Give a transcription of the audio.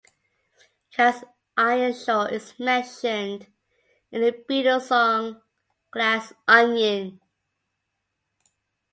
Cast Iron Shore is mentioned in The Beatles' song "Glass Onion".